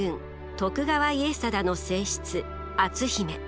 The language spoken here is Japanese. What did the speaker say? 徳川家定の正室篤姫。